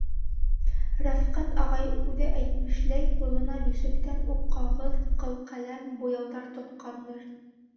Рәфҡәт ағай, үҙе әйтмешләй, ҡулына бишектә үк ҡағыҙ, ҡылҡәләм, буяуҙар тотҡандыр.